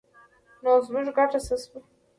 نو زموږ ګټه څه شوه؟